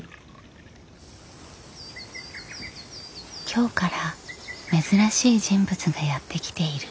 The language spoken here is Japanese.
京から珍しい人物がやって来ている。